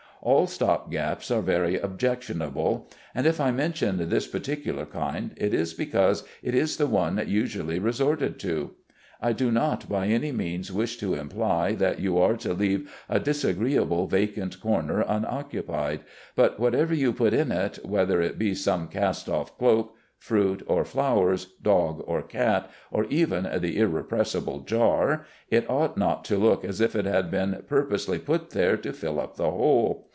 All stop gaps are very objectionable; and if I mention this particular kind, it is because it is the one usually resorted to. I do not by any means wish to imply that you are to leave a disagreeable vacant corner unoccupied, but whatever you put in it, whether it be some cast off cloak, fruit, or flowers, dog or cat, or even the irrepressible jar, it ought not to look as if it had been purposely put there to fill up a hole.